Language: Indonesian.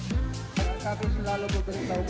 bagaimana cara membuatnya